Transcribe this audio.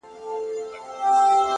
قلم د زلفو يې د هر چا زنده گي ورانوي.